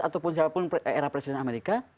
ataupun siapapun era presiden amerika